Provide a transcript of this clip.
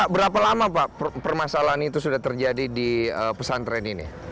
berapa lama pak permasalahan itu sudah terjadi di pesantren ini